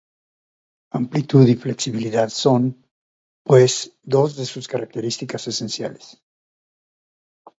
Amplitud y flexibilidad son, pues dos de sus características esenciales.